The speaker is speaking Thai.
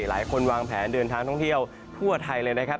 หลายคนวางแผนเดินทางท่องเที่ยวทั่วไทยเลยนะครับ